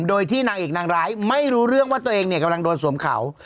โดยที่นางเอกนางร้ายไม่รู้เรื่องว่าตัวเองกำลังโดนสวมเขา